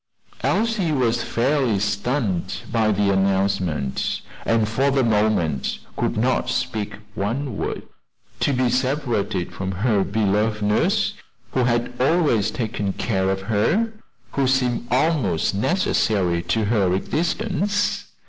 Elsie was fairly stunned by the announcement, and for a moment could not speak one word. To be separated from her beloved nurse who had always taken care of her! who seemed almost necessary to her existence.